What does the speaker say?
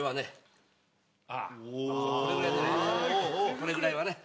これぐらいはね。